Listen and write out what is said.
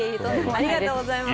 ありがとうございます！